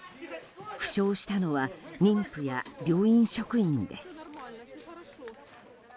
負傷したのは妊婦や病院職員です。